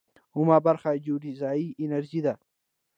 اوومه برخه جیوډیزي انجنیری ده.